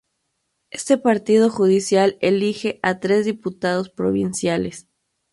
Este partido judicial elige a tres diputados provinciales.